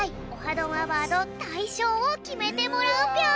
どんアワード」たいしょうをきめてもらうぴょん。